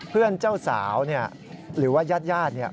เพื่อนเจ้าสาวนี่หรือว่ายาดนี่